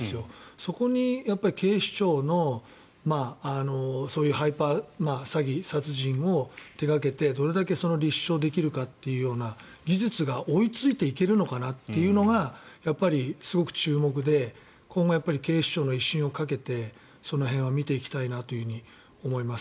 そこに警視庁のそういうハイパー詐欺、殺人を手掛けてどれだけ立証できるかというような技術が追いついていけるのかなというのがやっぱりすごく注目で今後、警視庁の威信をかけてその辺は見ていきたいなと思います。